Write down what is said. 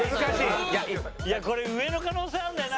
これ上の可能性あるんだよな。